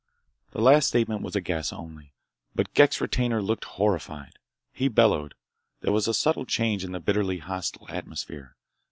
The last statement was a guess, only, but Ghek's retainer looked horrified. He bellowed. There was a subtle change in the bitterly hostile atmosphere.